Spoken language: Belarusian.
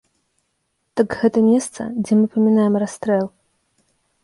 Так, гэта месца, дзе мы памінаем расстрэл.